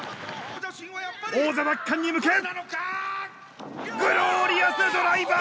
王座奪還に向けグロリアスドライバー！